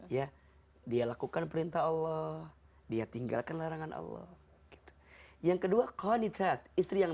ya dia lakukan perintah allah dia tinggalkan larangan allah gitu yang kedua quanitra istri yang